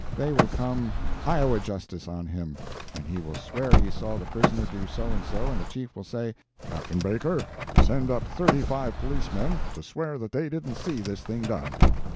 They will come "Iowa justice" on him; he will swear he saw the prisoner do so and so, and the Chief will say, "Captain Baker send up thirty five policemen to swear that they didn't see this thing done."